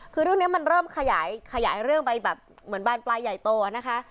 คือเรื่องนี้มันเริ่มขยายเรื่องไปแบบเหมือนบานปลายใหญ่โตนะคะ